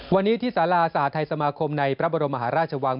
วันนี้ที่สาราสหทัยสมาคมในพระบรมมหาราชวัง